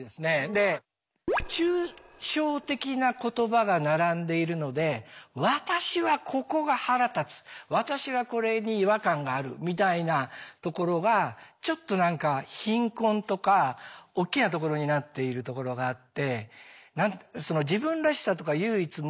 で抽象的な言葉が並んでいるので「私はここが腹立つ」「私はこれに違和感がある」みたいなところがちょっと何か貧困とかおっきなところになっているところがあって。